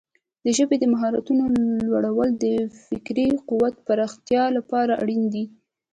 د ژبې د مهارتونو لوړول د فکري قوت د پراختیا لپاره اړین دي.